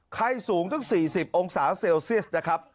ไข้สูงตั้ง๔๐องศาเซลเซียสนะครับ